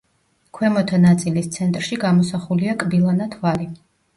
ქვემოთა ნაწილის ცენტრში გამოსახულია კბილანა თვალი.